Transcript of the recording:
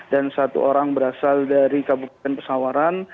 dan satu orang berasal dari kabupaten pesawaran